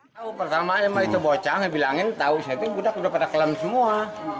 tahu pertama emang itu bocah bilangin tau saya udah kena kata kelam semua